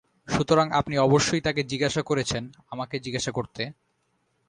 সুতরাং আপনি অবশ্যই তাকে জিজ্ঞাসা করেছেন আমাকে জিজ্ঞাসা করতে?